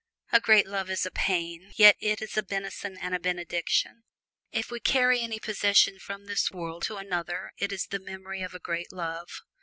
A great love is a pain, yet it is a benison and a benediction. If we carry any possession from this world to another it is the memory of a great love.